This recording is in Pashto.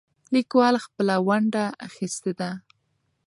لیکوال خپله ونډه اخیستې ده.